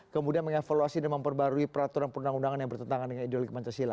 kemudian mengevaluasi dan memperbarui peraturan perundang undangan yang bertentangan dengan ideologi pancasila